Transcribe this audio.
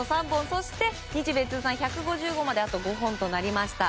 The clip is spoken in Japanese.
そして日米通算１５５まであと５本となりました。